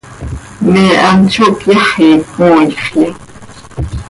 ¿Me hant zó cyaxi cömooixya?